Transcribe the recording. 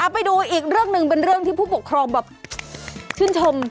ไปดูอีกเรื่องหนึ่งเป็นเรื่องที่ผู้ปกครองแบบชื่นชม